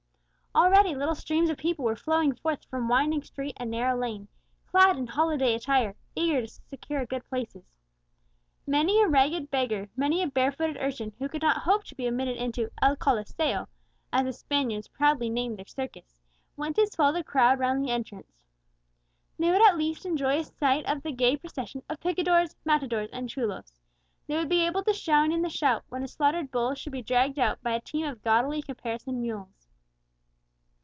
Already little streams of people were flowing forth from winding street and narrow lane, clad in holiday attire, eager to secure good places. Many a ragged beggar, many a barefooted urchin, who could not hope to be admitted into El Coliseo (as the Spaniards proudly name their circus), went to swell the crowd round the entrance. They would at least enjoy a sight of the gay procession of picadors, matadors, and chulos; they would be able to join in the shout when a slaughtered bull should be dragged out by a team of gaudily caparisoned mules.